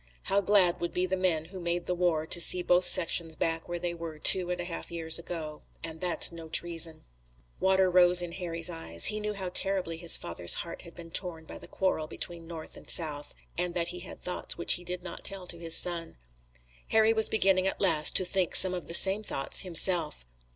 How glad would be the men who made the war to see both sections back where they were two and a half years ago! and that's no treason. Water rose in Harry's eyes. He knew how terribly his father's heart had been torn by the quarrel between North and South, and that he had thoughts which he did not tell to his son. Harry was beginning at last to think some of the same thoughts himself.